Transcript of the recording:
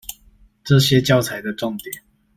這些教材的重點